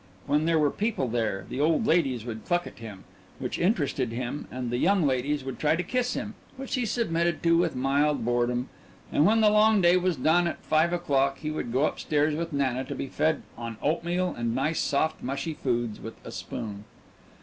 When there were people there the old ladies would cluck at him, which interested him, and the young ladies would try to kiss him, which he submitted to with mild boredom. And when the long day was done at five o'clock he would go upstairs with Nana and be fed on oatmeal and nice soft mushy foods with a spoon.